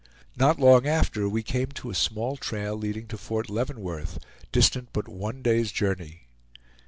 Not long after we came to a small trail leading to Fort Leavenworth, distant but one day's journey.